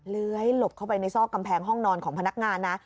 เลื้อยหลบเข้าไปในซอกกำแพงห้องนอนของพนักงานนะ